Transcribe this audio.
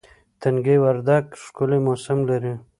تنگي وردک ښکلی موسم لري